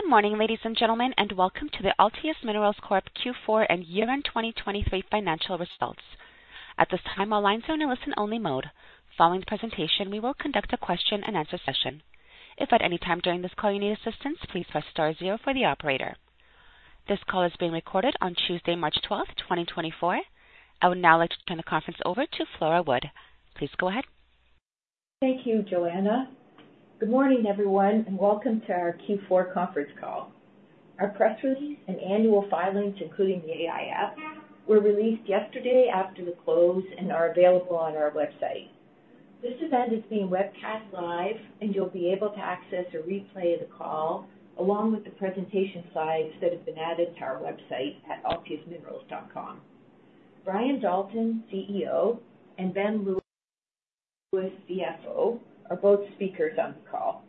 Good morning, ladies and gentlemen, and welcome to the Altius Minerals Corp Q4 and year-end 2023 financial results. At this time, our lines are in a listen-only mode. Following the presentation, we will conduct a question-and-answer session. If at any time during this call you need assistance, please press star zero for the operator. This call is being recorded on Tuesday, March 12th, 2024. I would now like to turn the conference over to Flora Wood. Please go ahead. Thank you, Joanna. Good morning, everyone, and welcome to our Q4 conference call. Our press release and annual filings, including the AIF, were released yesterday after the close and are available on our website. This event is being webcast live, and you'll be able to access a replay of the call along with the presentation slides that have been added to our website at altiusminerals.com. Brian Dalton, CEO, and Ben Lewis, CFO, are both speakers on the call.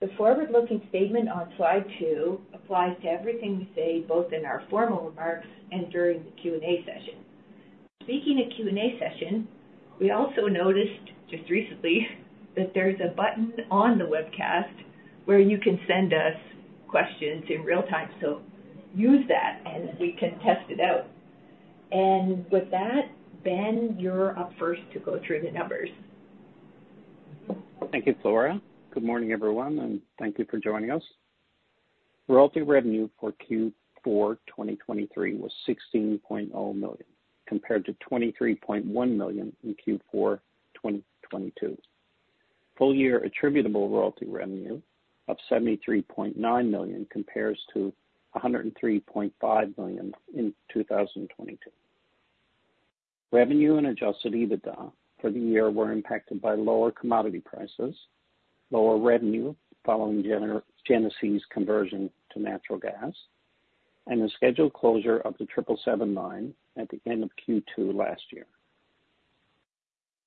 The forward-looking statement on slide two applies to everything we say both in our formal remarks and during the Q&A session. Speaking of Q&A session, we also noticed just recently that there's a button on the webcast where you can send us questions in real time, so use that and we can test it out. And with that, Ben, you're up first to go through the numbers. Thank you, Flora. Good morning, everyone, and thank you for joining us. Royalty revenue for Q4 2023 was 16.0 million compared to 23.1 million in Q4 2022. Full-year attributable royalty revenue of 73.9 million compares to 103.5 million in 2022. Revenue and adjusted EBITDA for the year were impacted by lower commodity prices, lower revenue following Genesee's conversion to natural gas, and the scheduled closure of the 777 mine at the end of Q2 last year.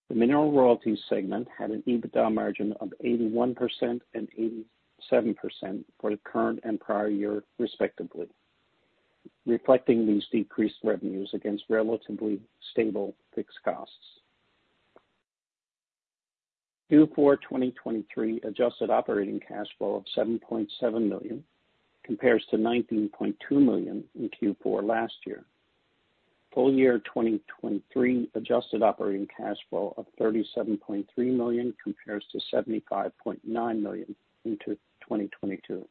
The mineral royalties segment had an EBITDA margin of 81% and 87% for the current and prior year, respectively, reflecting these decreased revenues against relatively stable fixed costs. Q4 2023 adjusted operating cash flow of 7.7 million compares to 19.2 million in Q4 last year. Full-year 2023 adjusted operating cash flow of 37.3 million compares to 75.9 million into 2022.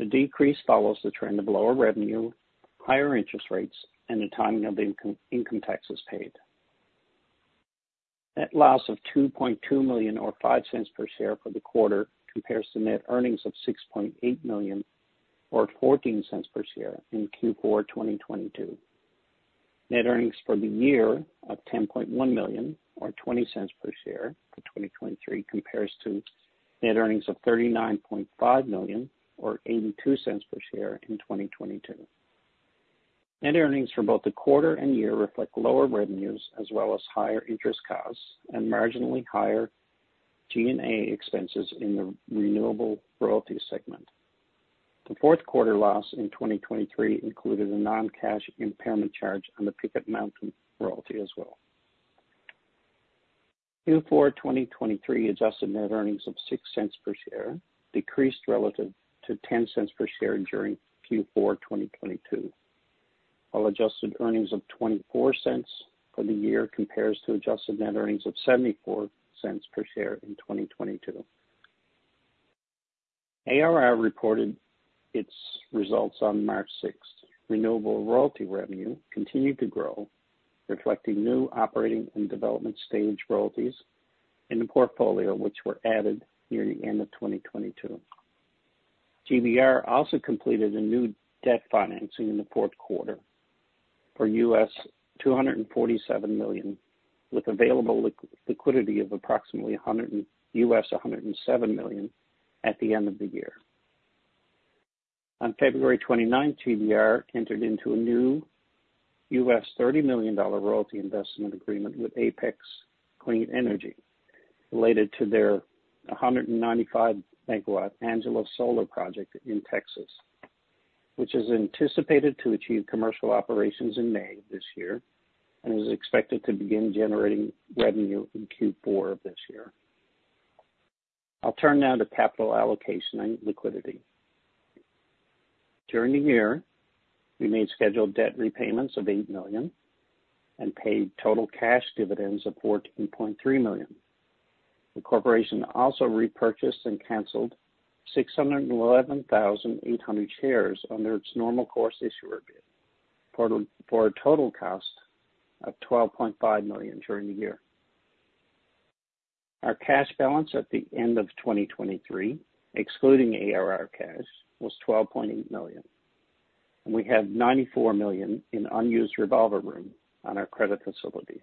The decrease follows the trend of lower revenue, higher interest rates, and a timing of the income taxes paid. Net loss of 2.2 million or 0.05 per share for the quarter compares to net earnings of 6.8 million or 0.14 per share in Q4 2022. Net earnings for the year of 10.1 million or 0.20 per share for 2023 compares to net earnings of 39.5 million or 0.82 per share in 2022. Net earnings for both the quarter and year reflect lower revenues as well as higher interest costs and marginally higher G&A expenses in the renewable royalties segment. The fourth quarter loss in 2023 included a non-cash impairment charge on the Picket Mountain royalty as well. Q4 2023 adjusted net earnings of 0.06 per share decreased relative to 0.10 per share during Q4 2022, while adjusted earnings of 0.24 for the year compares to adjusted net earnings of 0.74 per share in 2022. ARR reported its results on March 6th. Renewable royalty revenue continued to grow, reflecting new operating and development stage royalties in the portfolio, which were added near the end of 2022. GBR also completed a new debt financing in the fourth quarter for $247 million, with available liquidity of approximately $107 million at the end of the year. On February 29th, GBR entered into a new $30 million royalty investment agreement with Apex Clean Energy related to their 195-megawatt Angelo Solar project in Texas, which is anticipated to achieve commercial operations in May this year and is expected to begin generating revenue in Q4 of this year. I'll turn now to capital allocation and liquidity. During the year, we made scheduled debt repayments of 8 million and paid total cash dividends of 14.3 million. The corporation also repurchased and canceled 611,800 shares under its normal course issuer bid for a total cost of 12.5 million during the year. Our cash balance at the end of 2023, excluding ARR cash, was 12.8 million, and we had 94 million in unused revolver room on our credit facility.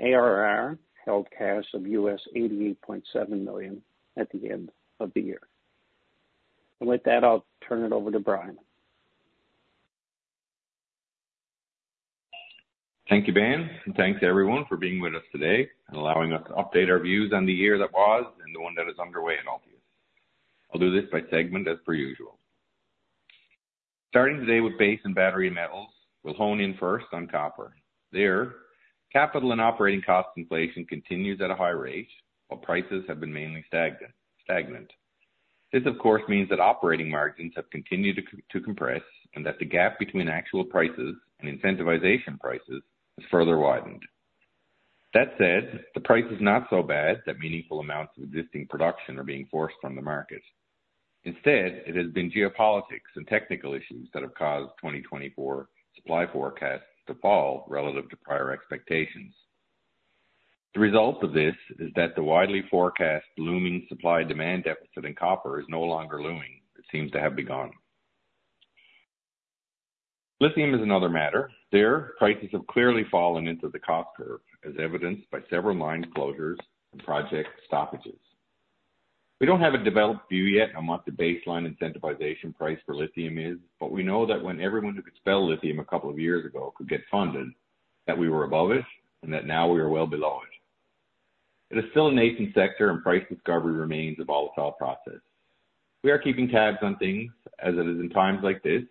ARR held cash of $88.7 million at the end of the year. With that, I'll turn it over to Brian. Thank you, Ben, and thanks to everyone for being with us today and allowing us to update our views on the year that was and the one that is underway at Altius. I'll do this by segment as per usual. Starting today with base and battery metals, we'll hone in first on copper. There, capital and operating cost inflation continues at a high rate while prices have been mainly stagnant. This, of course, means that operating margins have continued to compress and that the gap between actual prices and incentivization prices has further widened. That said, the price is not so bad that meaningful amounts of existing production are being forced from the market. Instead, it has been geopolitics and technical issues that have caused 2024 supply forecasts to fall relative to prior expectations. The result of this is that the widely forecast looming supply-demand deficit in copper is no longer looming. It seems to have begun. Lithium is another matter. There, prices have clearly fallen into the cost curve, as evidenced by several line closures and project stoppages. We don't have a developed view yet on what the baseline incentivization price for lithium is, but we know that when everyone who could spell lithium a couple of years ago could get funded, that we were above it and that now we are well below it. It is still a nascent sector, and price discovery remains a volatile process. We are keeping tabs on things as it is in times like this,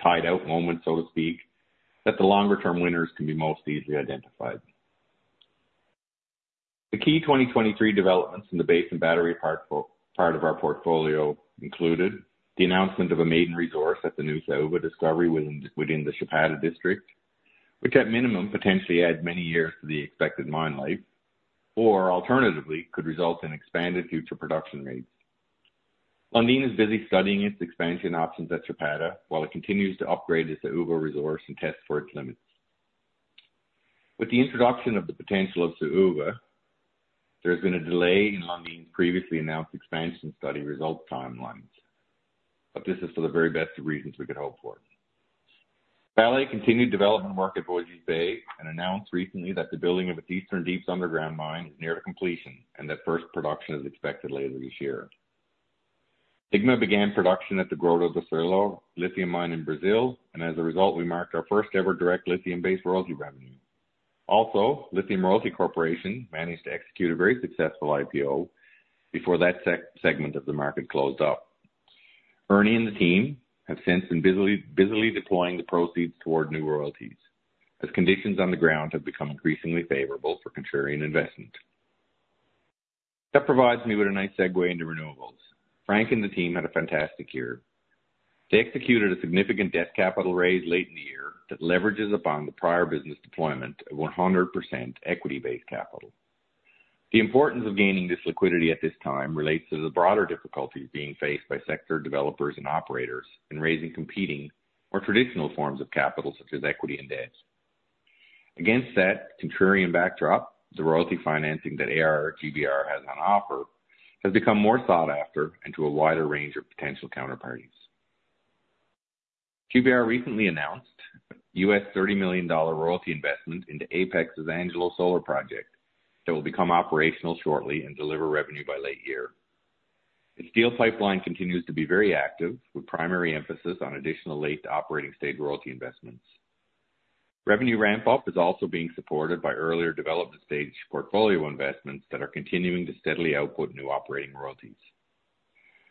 ttide out moments, so to speak, that the longer-term winners can be most easily identified. The key 2023 developments in the base and battery part of our portfolio included the announcement of a maiden resource at the new Saúva discovery within the Chapada district, which at minimum potentially adds many years to the expected mine life or alternatively could result in expanded future production rates. Lundin is busy studying its expansion options at Chapada while it continues to upgrade its Saúva resource and test for its limits. With the introduction of the potential of Saúva, there has been a delay in Lundin's previously announced expansion study results timelines, but this is for the very best of reasons we could hope for. Vale continued development work at Voisey's Bay and announced recently that the building of its Eastern Deeps underground mine is near to completion and that first production is expected later this year. Sigma Lithium began production at the Grota do Cirilo lithium mine in Brazil, and as a result, we marked our first-ever direct lithium-based royalty revenue. Also, Lithium Royalty Corporation managed to execute a very successful IPO before that segment of the market closed up. Ernie and the team have since been busily deploying the proceeds toward new royalties as conditions on the ground have become increasingly favorable for contrarian investment. That provides me with a nice segue into renewables. Frank and the team had a fantastic year. They executed a significant debt capital raise late in the year that leverages upon the prior business deployment of 100% equity-based capital. The importance of gaining this liquidity at this time relates to the broader difficulties being faced by sector developers and operators in raising competing or traditional forms of capital such as equity and debt. Against that contrarian backdrop, the royalty financing that ARR GBR has on offer has become more sought after and to a wider range of potential counterparties. GBR recently announced $30 million royalty investment into Apex's Angelo Solar project that will become operational shortly and deliver revenue by late year. Its steel pipeline continues to be very active, with primary emphasis on additional late operating stage royalty investments. Revenue ramp-up is also being supported by earlier development stage portfolio investments that are continuing to steadily output new operating royalties.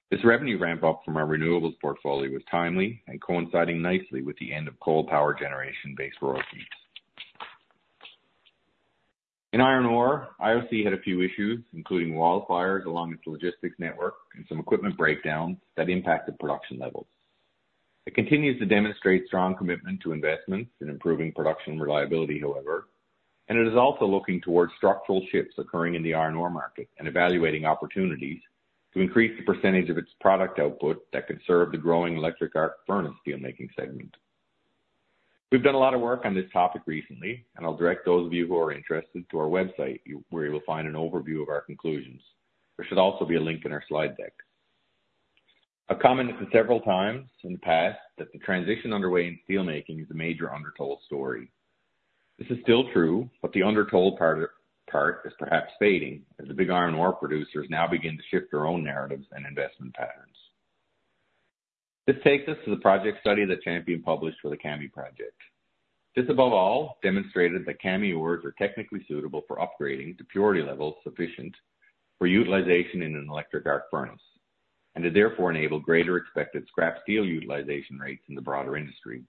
This revenue ramp-up from our renewables portfolio was timely and coinciding nicely with the end of coal power generation-based royalties. In iron ore, IOC had a few issues, including wall fires along its logistics network and some equipment breakdowns that impacted production levels. It continues to demonstrate strong commitment to investments in improving production reliability, however, and it is also looking towards structural shifts occurring in the iron ore market and evaluating opportunities to increase the percentage of its product output that can serve the growing electric arc furnace steelmaking segment. We've done a lot of work on this topic recently, and I'll direct those of you who are interested to our website, where you will find an overview of our conclusions. There should also be a link in our slide deck. I've commented several times in the past that the transition underway in steelmaking is a major undertold story. This is still true, but the undertold part is perhaps fading as the big iron ore producers now begin to shift their own narratives and investment patterns. This takes us to the project study that Champion published for the Kami project. This, above all, demonstrated that Kami ores are technically suitable for upgrading to purity levels sufficient for utilization in an electric arc furnace and to therefore enable greater expected scrap steel utilization rates in the broader industry.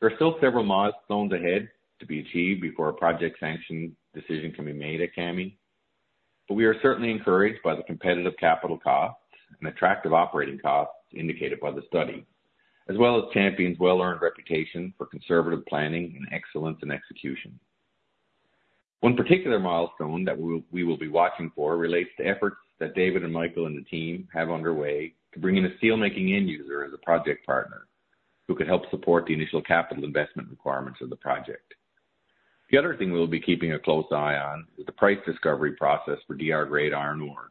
There are still several milestones ahead to be achieved before a project sanction decision can be made at Kami, but we are certainly encouraged by the competitive capital costs and attractive operating costs indicated by the study, as well as Champion's well-earned reputation for conservative planning and excellence in execution. One particular milestone that we will be watching for relates to efforts that David and Michael and the team have underway to bring in a steelmaking end user as a project partner who could help support the initial capital investment requirements of the project. The other thing we'll be keeping a close eye on is the price discovery process for DR-grade iron ore,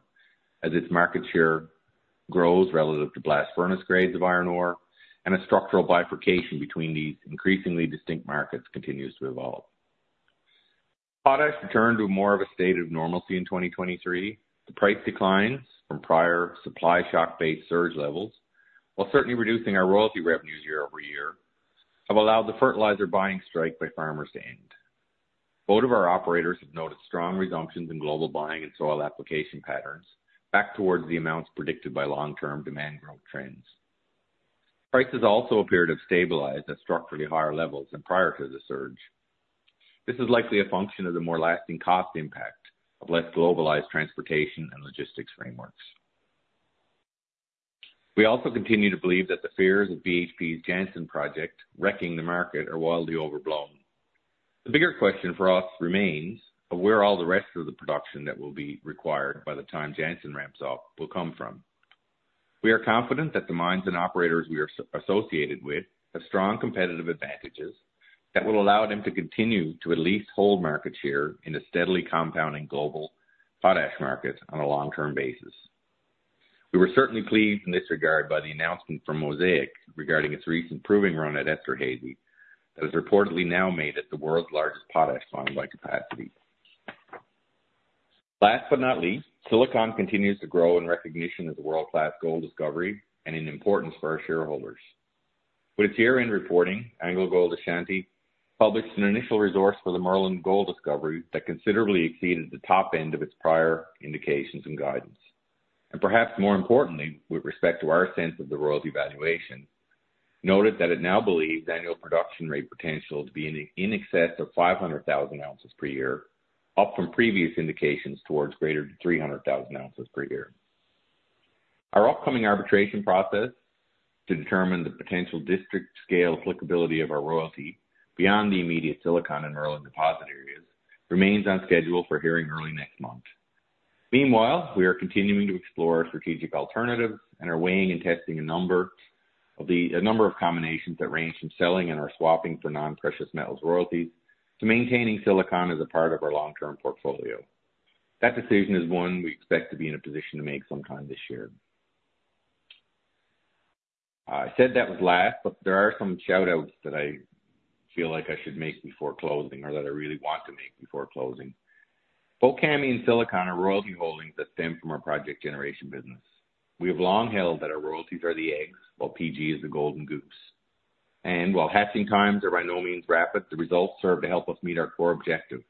as its market share grows relative to blast furnace grades of iron ore and a structural bifurcation between these increasingly distinct markets continues to evolve. Products return to more of a state of normalcy in 2023. The price declines from prior supply shock-based surge levels, while certainly reducing our royalty revenues year-over-year, have allowed the fertilizer buying strike by farmers to end. Both of our operators have noted strong resumptions in global buying and soil application patterns back towards the amounts predicted by long-term demand growth trends. Prices also appear to have stabilized at structurally higher levels than prior to the surge. This is likely a function of the more lasting cost impact of less globalized transportation and logistics frameworks. We also continue to believe that the fears of BHP's Jansen project wrecking the market are wildly overblown. The bigger question for us remains of where all the rest of the production that will be required by the time Jansen ramps up will come from. We are confident that the mines and operators we are associated with have strong competitive advantages that will allow them to continue to at least hold market share in a steadily compounding global potash market on a long-term basis. We were certainly pleased in this regard by the announcement from Mosaic regarding its recent proving run at Esterhazy that is reportedly now made at the world's largest potash mine by capacity. Last but not least, Silicon continues to grow in recognition as a world-class gold discovery and in importance for our shareholders. With its year-end reporting, AngloGold Ashanti published an initial resource for the Merlin Gold Discovery that considerably exceeded the top end of its prior indications and guidance. And perhaps more importantly, with respect to our sense of the royalty valuation, noted that it now believes annual production rate potential to be in excess of 500,000 ounces per year, up from previous indications towards greater than 300,000 ounces per year. Our upcoming arbitration process to determine the potential district-scale applicability of our royalty beyond the immediate Silicon and Merlin deposit areas remains on schedule for hearing early next month. Meanwhile, we are continuing to explore strategic alternatives and are weighing and testing a number of combinations that range from selling and/or swapping for non-precious metals royalties to maintaining Silicon as a part of our long-term portfolio. That decision is one we expect to be in a position to make sometime this year. I said that was last, but there are some shout-outs that I feel like I should make before closing or that I really want to make before closing. Both Kami and Silicon are royalty holdings that stem from our project generation business. We have long held that our royalties are the eggs, while PG is the golden goose. And while hatching times are by no means rapid, the results serve to help us meet our core objective,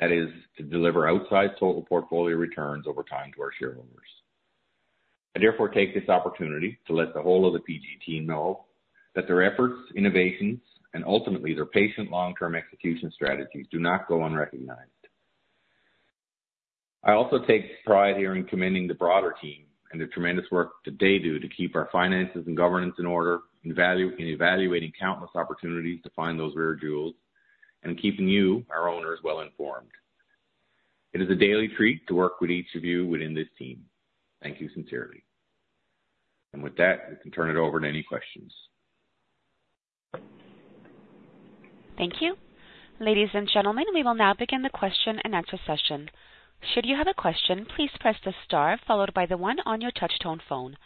that is, to deliver outsized total portfolio returns over time to our shareholders. I therefore take this opportunity to let the whole of the PG team know that their efforts, innovations, and ultimately their patient long-term execution strategies do not go unrecognized. I also take pride here in commending the broader team and the tremendous work that they do to keep our finances and governance in order in evaluating countless opportunities to find those rare jewels and keeping you, our owners, well-informed. It is a daily treat to work with each of you within this team. Thank you sincerely. With that, we can turn it over to any questions. Thank you. Ladies and gentlemen, we will now begin the question and answer session. Should you have a question, please press the star followed by the one on your touchtone phone.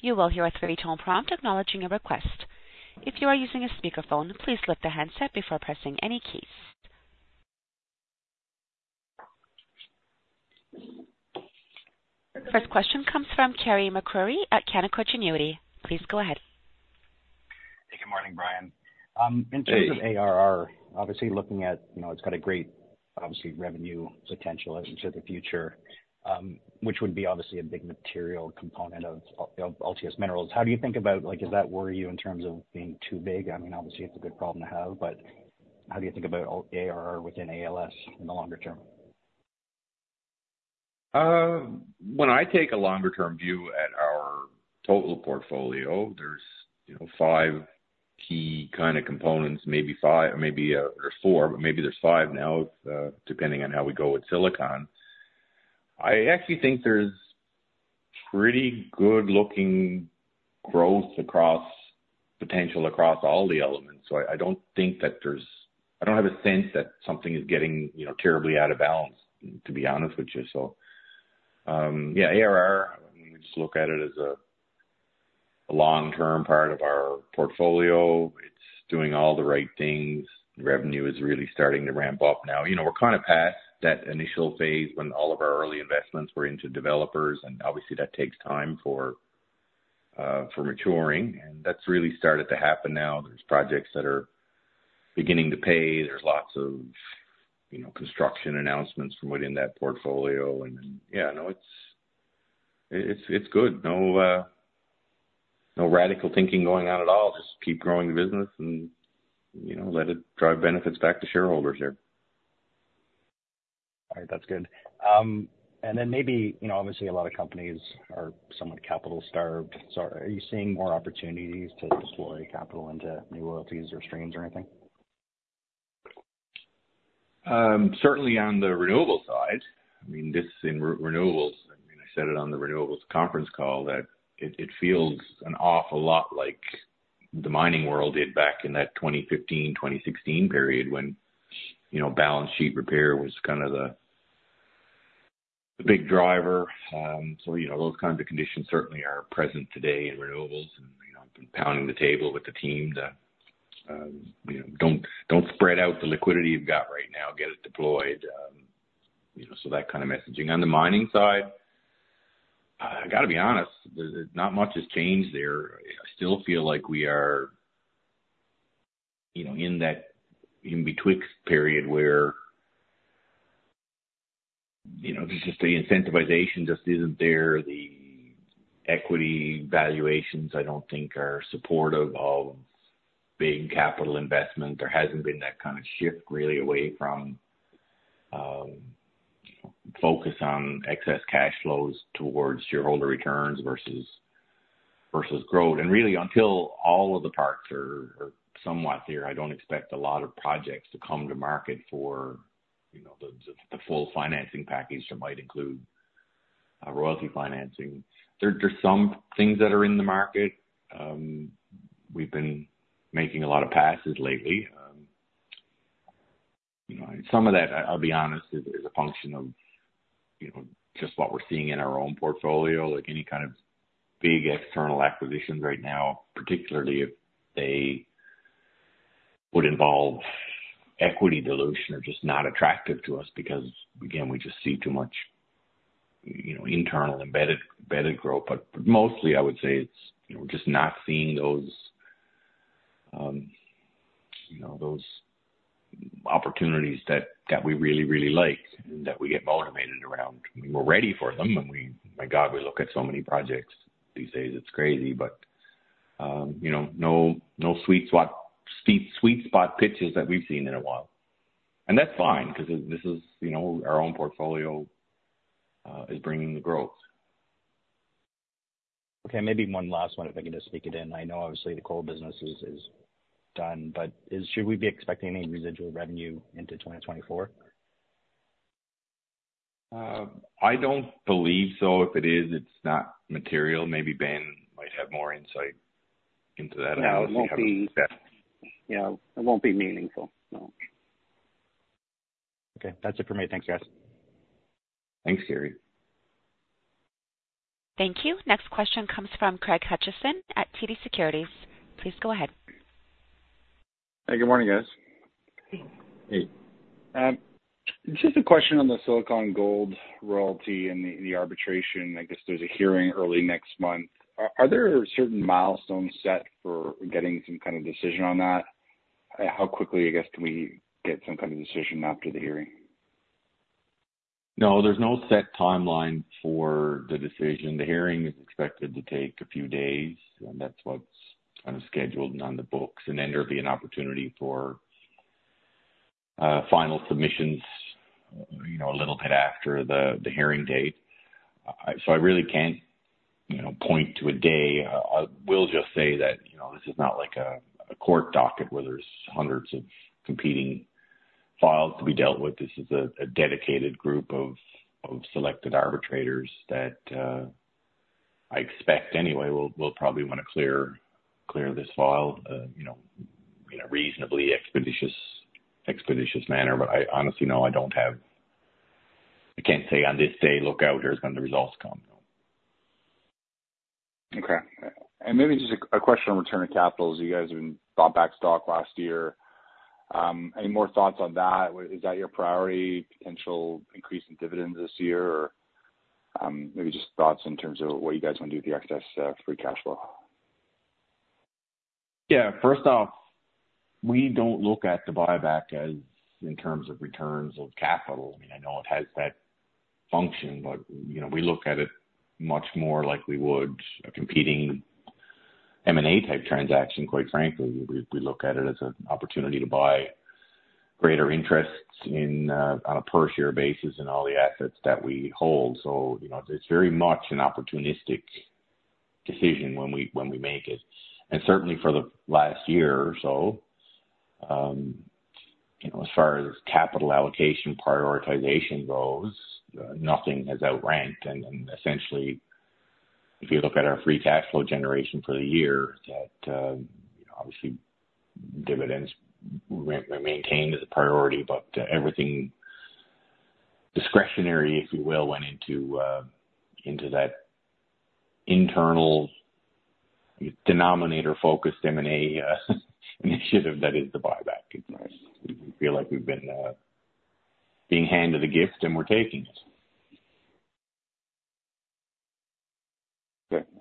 You will hear a three-tone prompt acknowledging your request. If you are using a speakerphone, please lift the headset before pressing any keys. First question comes from Carey MacRury at Canaccord Genuity. Please go ahead. Hey, good morning, Brian. In terms of ARR, obviously looking at it’s got a great, obviously, revenue potential into the future, which would be, obviously, a big material component of Altius Minerals. How do you think about does that worry you in terms of being too big? I mean, obviously, it’s a good problem to have, but how do you think about ARR within Altius in the longer term? When I take a longer-term view at our total portfolio, there's five key kind of components. Maybe there's four, but maybe there's five now, depending on how we go with silicon. I actually think there's pretty good-looking growth potential across all the elements. So I don't think that there's. I don't have a sense that something is getting terribly out of balance, to be honest with you. So yeah, ARR, when we just look at it as a long-term part of our portfolio, it's doing all the right things. Revenue is really starting to ramp up now. We're kind of past that initial phase when all of our early investments were into developers, and obviously, that takes time for maturing. And that's really started to happen now. There's projects that are beginning to pay. There's lots of construction announcements from within that portfolio. And yeah, no, it's good.v No radical thinking going on at all. Just keep growing the business and let it drive benefits back to shareholders here. All right. That's good. And then maybe, obviously, a lot of companies are somewhat capital-starved. So are you seeing more opportunities to deploy capital into new royalties or streams or anything? Certainly on the renewable side. I mean, this in renewables I mean, I said it on the renewables conference call that it feels an awful lot like the mining world did back in that 2015, 2016 period when balance sheet repair was kind of the big driver. So those kinds of conditions certainly are present today in renewables. And I've been pounding the table with the team to, "Don't spread out the liquidity you've got right now. Get it deployed." So that kind of messaging. On the mining side, I got to be honest, not much has changed there. I still feel like we are in that in-between period where just the incentivization just isn't there. The equity valuations, I don't think, are supportive of big capital investment. There hasn't been that kind of shift really away from focus on excess cash flows towards shareholder returns versus growth. And really, until all of the parts are somewhat there, I don't expect a lot of projects to come to market for the full financing package that might include royalty financing. There's some things that are in the market. We've been making a lot of passes lately. And some of that, I'll be honest, is a function of just what we're seeing in our own portfolio, like any kind of big external acquisitions right now, particularly if they would involve equity dilution or just not attractive to us because, again, we just see too much internal embedded growth. But mostly, I would say we're just not seeing those opportunities that we really, really like and that we get motivated around. I mean, we're ready for them. And my God, we look at so many projects these days. It's crazy. But no sweet spot pitches that we've seen in a while. That's fine because this, our own portfolio, is bringing the growth. Okay. Maybe one last one if I can just sneak it in. I know, obviously, the coal business is done, but should we be expecting any residual revenue into 2024? I don't believe so. If it is, it's not material. Maybe Ben might have more insight into that. I don't know if he has. Yeah. It won't be meaningful. No. Okay. That's it for me. Thanks, guys. Thanks, Carey. Thank you. Next question comes from Craig Hutchison at TD Securities. Please go ahead. Hey. Good morning, guys. Hey. Hey. Just a question on the Silicon gold royalty and the arbitration. I guess there's a hearing early next month. Are there certain milestones set for getting some kind of decision on that? How quickly, I guess, can we get some kind of decision after the hearing? No. There's no set timeline for the decision. The hearing is expected to take a few days, and that's what's kind of scheduled and on the books. And then there'll be an opportunity for final submissions a little bit after the hearing date. So I really can't point to a day. I will just say that this is not like a court docket where there's hundreds of competing files to be dealt with. This is a dedicated group of selected arbitrators that I expect anyway will probably want to clear this file in a reasonably expeditious manner. But honestly, no, I don't have, I can't say, "On this day, look out. Here's when the results come." No. Okay. And maybe just a question on return to capital. You guys have been bought back stock last year. Any more thoughts on that? Is that your priority, potential increase in dividends this year, or maybe just thoughts in terms of what you guys want to do with the excess free cash flow? Yeah. First off, we don't look at the buyback in terms of returns of capital. I mean, I know it has that function, but we look at it much more like we would a competing M&A-type transaction, quite frankly. We look at it as an opportunity to buy greater interests on a per-share basis in all the assets that we hold. So it's very much an opportunistic decision when we make it. And certainly for the last year or so, as far as capital allocation prioritization goes, nothing has outranked. And essentially, if you look at our free cash flow generation for the year, obviously, dividends were maintained as a priority, but everything discretionary, if you will, went into that internal denominator-focused M&A initiative that is the buyback. We feel like we've been being handed a gift, and we're taking it.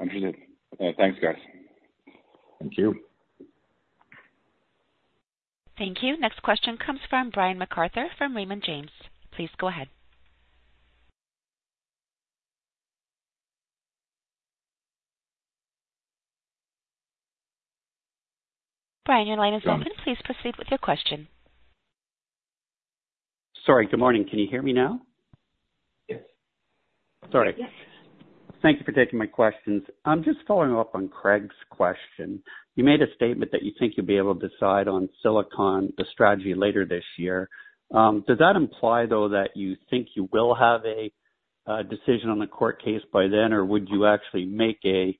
Okay. Understood. Thanks, guys. Thank you. Thank you. Next question comes from Brian McArthur from Raymond James. Please go ahead. Brian, your line is open. Please proceed with your question. Sorry. Good morning. Can you hear me now? Yes. Sorry. Yes. Thank you for taking my questions. I'm just following up on Craig's question. You made a statement that you think you'll be able to decide on silicon, the strategy, later this year. Does that imply, though, that you think you will have a decision on the court case by then, or would you actually make a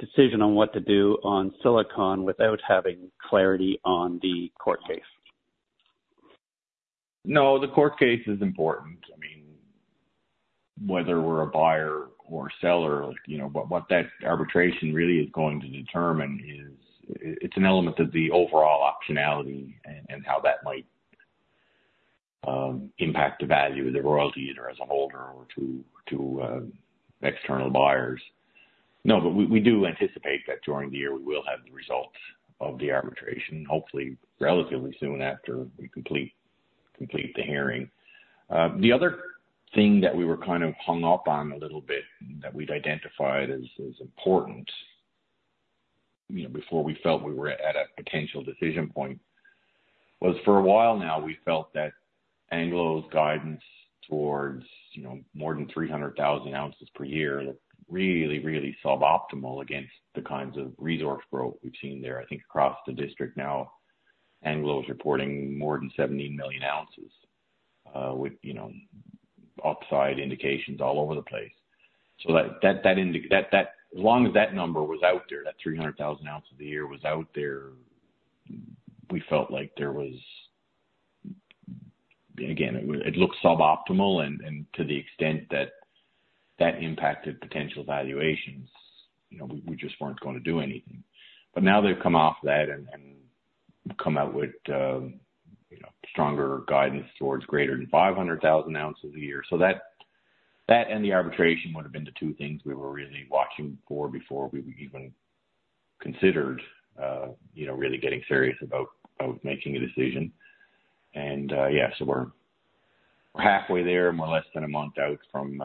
decision on what to do on silicon without having clarity on the court case? No. The court case is important. I mean, whether we're a buyer or a seller, what that arbitration really is going to determine is it's an element of the overall optionality and how that might impact the value of the royalty either as a holder or to external buyers. No. But we do anticipate that during the year, we will have the results of the arbitration, hopefully relatively soon after we complete the hearing. The other thing that we were kind of hung up on a little bit that we'd identified as important before we felt we were at a potential decision point was for a while now, we felt that Anglo's guidance towards more than 300,000 ounces per year looked really, really suboptimal against the kinds of resource growth we've seen there. I think across the district now, Anglo is reporting more than 17 million ounces with upside indications all over the place. So as long as that number was out there, that 300,000 ounces a year was out there, we felt like there was again, it looked suboptimal. And to the extent that that impacted potential valuations, we just weren't going to do anything. But now they've come off that and come out with stronger guidance towards greater than 500,000 ounces a year. So that and the arbitration would have been the two things we were really watching for before we even considered really getting serious about making a decision. And yeah, so we're halfway there, more or less than a month out from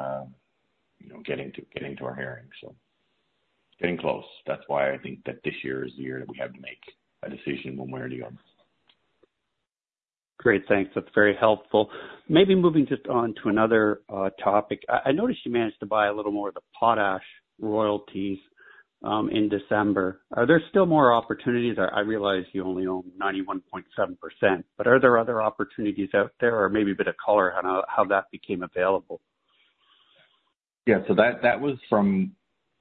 getting to our hearing, so getting close. That's why I think that this year is the year that we have to make a decision on where to go. Great. Thanks. That's very helpful. Maybe moving just on to another topic. I noticed you managed to buy a little more of the potash royalties in December. Are there still more opportunities? I realize you only own 91.7%, but are there other opportunities out there or maybe a bit of color on how that became available? Yeah. So that was from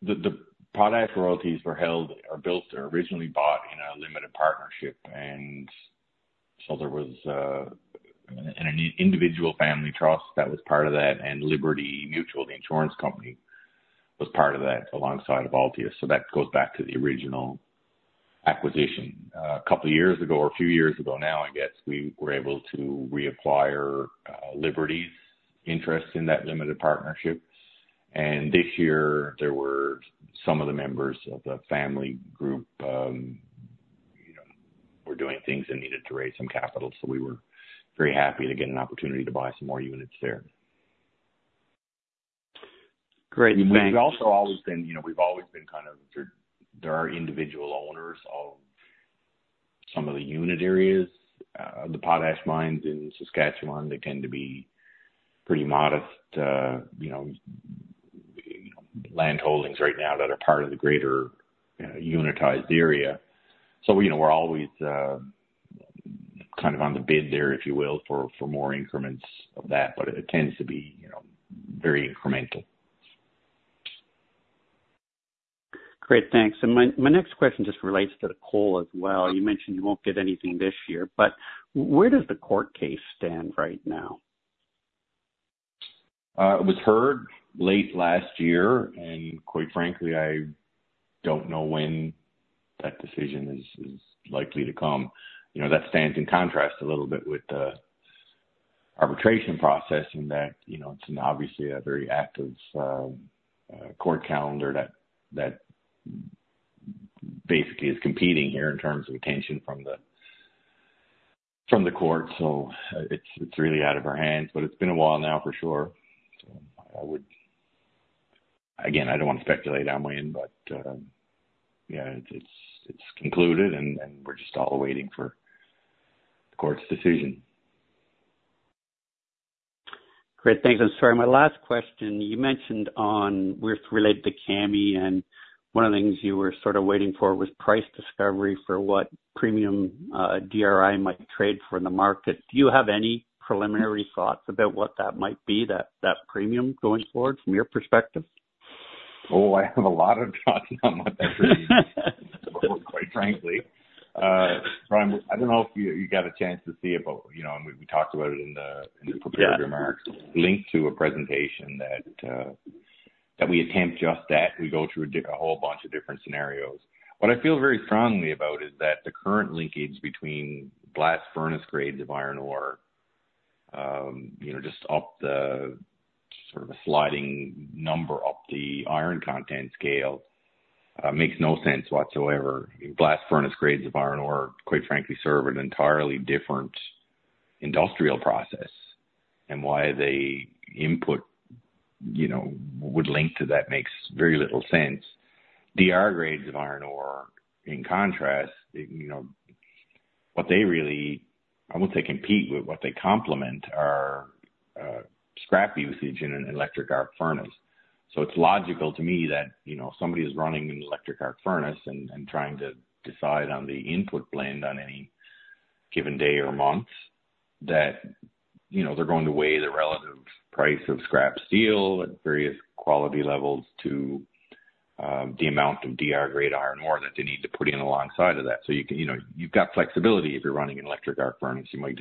the potash royalties were held or built or originally bought in a limited partnership. And so there was an individual family trust that was part of that, and Liberty Mutual, the insurance company, was part of that alongside of Altius. So that goes back to the original acquisition. A couple of years ago or a few years ago now, I guess, we were able to reacquire Liberty's interests in that limited partnership. And this year, some of the members of the family group were doing things and needed to raise some capital. So we were very happy to get an opportunity to buy some more units there. Great. Thanks. We've also always been kind of there. There are individual owners of some of the unit areas, the potash mines in Saskatchewan. They tend to be pretty modest land holdings right now that are part of the greater unitized area. So we're always kind of on the bid there, if you will, for more increments of that. But it tends to be very incremental. Great. Thanks. And my next question just relates to the coal as well. You mentioned you won't get anything this year, but where does the court case stand right now? It was heard late last year. Quite frankly, I don't know when that decision is likely to come. That stands in contrast a little bit with the arbitration process in that it's obviously a very active court calendar that basically is competing here in terms of attention from the court. It's really out of our hands. It's been a while now for sure. Again, I don't want to speculate on my end, but yeah, it's concluded, and we're just all waiting for the court's decision. Great. Thanks. I'm sorry. My last question, you mentioned on we're related to Kami, and one of the things you were sort of waiting for was price discovery for what premium DRI might trade for in the market. Do you have any preliminary thoughts about what that might be, that premium, going forward from your perspective? Oh, I have a lot of thoughts on what that premium is, quite frankly. Brian, I don't know if you got a chance to see it, but we talked about it in the preparatory remarks. We linked to a presentation that attempts just that. We go through a whole bunch of different scenarios. What I feel very strongly about is that the current linkage between blast furnace grades of iron ore, just sort of a sliding number up the iron content scale, makes no sense whatsoever. Blast furnace grades of iron ore, quite frankly, serve an entirely different industrial process. And why the input would link to that makes very little sense. DR grades of iron ore, in contrast, what they really, I won't say compete, but what they complement are scrap usage in an electric arc furnace. So it's logical to me that somebody is running an electric arc furnace and trying to decide on the input blend on any given day or month that they're going to weigh the relative price of scrap steel at various quality levels to the amount of DR-grade iron ore that they need to put in alongside of that. So you've got flexibility. If you're running an electric arc furnace, you might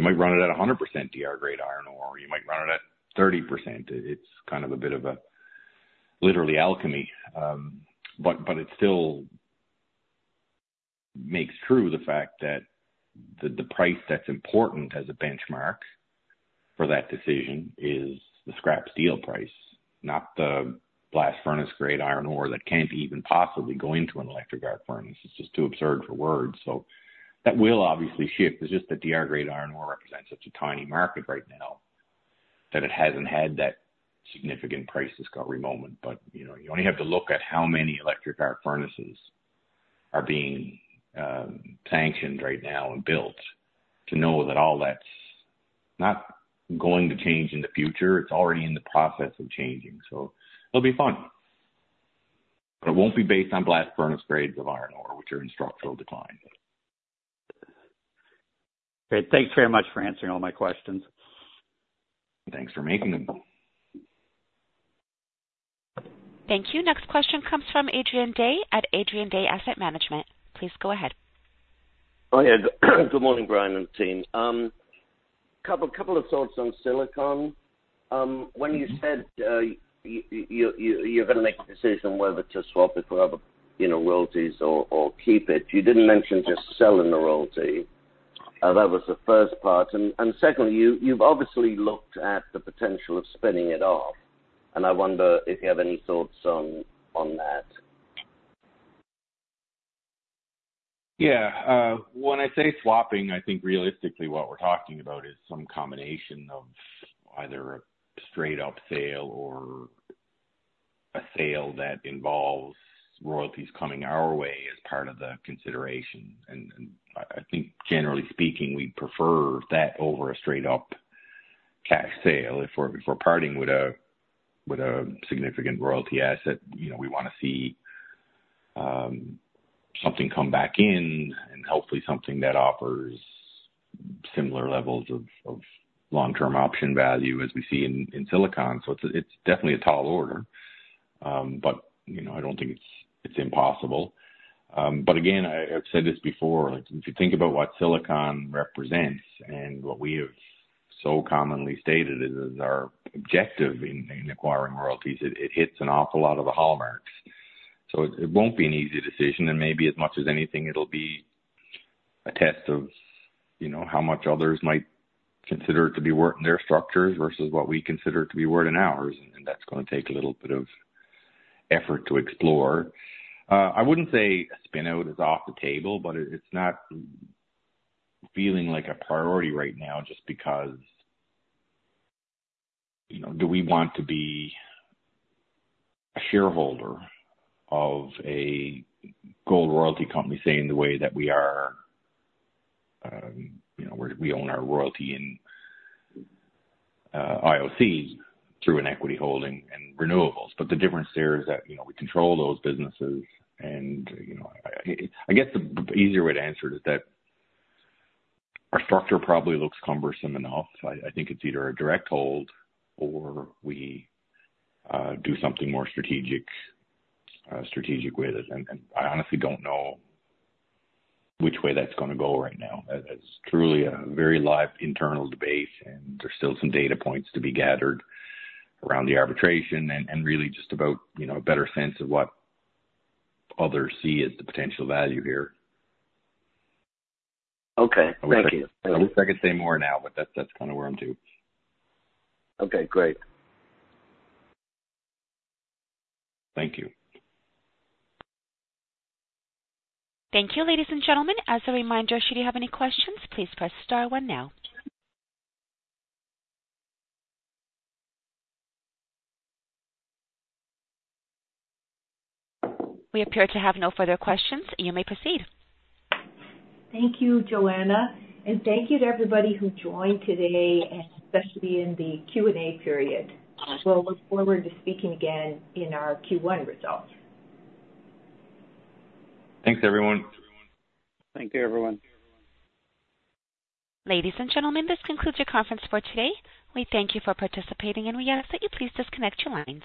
run it at 100% DR-grade iron ore, or you might run it at 30%. It's kind of a bit of a literal alchemy. But it still makes true the fact that the price that's important as a benchmark for that decision is the scrap steel price, not the blast furnace-grade iron ore that can't even possibly go into an electric arc furnace. It's just too absurd for words. So that will obviously shift. It's just that DR-grade iron ore represents such a tiny market right now that it hasn't had that significant price discovery moment. But you only have to look at how many electric arc furnaces are being sanctioned right now and built to know that all that's not going to change in the future. It's already in the process of changing. So it'll be fun. But it won't be based on blast furnace grades of iron ore, which are in structural decline. Great. Thanks very much for answering all my questions. Thanks for making them. Thank you. Next question comes from Adrian Day at Adrian Day Asset Management. Please go ahead. Oh, yeah. Good morning, Brian, and team. A couple of thoughts on Silicon. When you said you're going to make a decision whether to swap it for other royalties or keep it, you didn't mention just selling the royalty. That was the first part. And secondly, you've obviously looked at the potential of spinning it off. And I wonder if you have any thoughts on that. Yeah. When I say swapping, I think realistically what we're talking about is some combination of either a straight-up sale or a sale that involves royalties coming our way as part of the consideration. And I think, generally speaking, we'd prefer that over a straight-up cash sale. If we're parting with a significant royalty asset, we want to see something come back in and hopefully something that offers similar levels of long-term option value as we see in Silicon. So it's definitely a tall order, but I don't think it's impossible. But again, I've said this before. If you think about what Silicon represents and what we have so commonly stated is our objective in acquiring royalties, it hits an awful lot of the hallmarks. So it won't be an easy decision. Maybe as much as anything, it'll be a test of how much others might consider it to be worth in their structures versus what we consider it to be worth in ours. That's going to take a little bit of effort to explore. I wouldn't say a spin-out is off the table, but it's not feeling like a priority right now just because do we want to be a shareholder of a gold royalty company saying the way that we are we own our royalty in IOC through an equity holding and renewables. The difference there is that we control those businesses. I guess the easier way to answer it is that our structure probably looks cumbersome enough. I think it's either a direct hold or we do something more strategic with it. I honestly don't know which way that's going to go right now. It's truly a very live internal debate, and there's still some data points to be gathered around the arbitration and really just about a better sense of what others see as the potential value here. Okay. Thank you. I wish I could say more now, but that's kind of where I'm too. Okay. Great. Thank you. Thank you, ladies and gentlemen. As a reminder, should you have any questions, please press star one now. We appear to have no further questions. You may proceed. Thank you, Joanna. Thank you to everybody who joined today, especially in the Q&A period. We'll look forward to speaking again in our Q1 results. Thanks, everyone. Thank you, everyone. Ladies and gentlemen, this concludes our conference for today. We thank you for participating, and we ask that you please disconnect your lines.